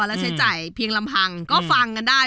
แล้วใช้จ่ายเพียงลำพังก็ฟังกันได้